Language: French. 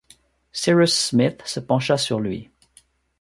Cyrus Smith se pencha sur lui